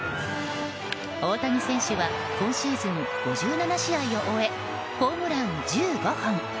大谷選手は今シーズン５７試合を終えホームラン１５本。